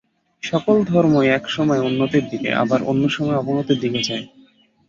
সকল ধর্মই এক সময়ে উন্নতির দিকে, আবার অন্য সময়ে অবনতির দিকে যায়।